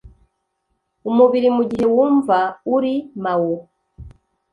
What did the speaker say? umubiri mugihe wumva uri mao,